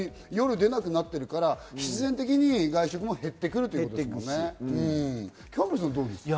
夜出なくなってるから、必然的に外食も減ってくるということですもんね。